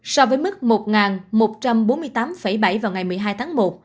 so với mức một một trăm bốn mươi tám bảy vào ngày một mươi hai tháng một